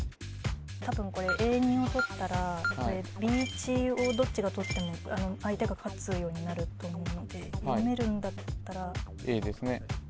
多分これＡ２を取ったらこれＢ１をどっちが取っても相手が勝つようになると思うので読めるんだったらＡですね